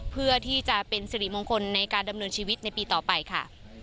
เพื่อที่จะเป็นสิริมงคลในการดำเนินชีวิตในปีต่อไปค่ะ